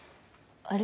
あれ？